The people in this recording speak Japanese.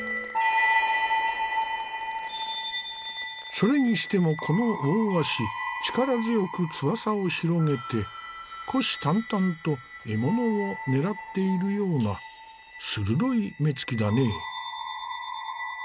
それにしてもこの大鷲力強く翼を広げて虎視眈々と獲物を狙っているような鋭い目つきだね。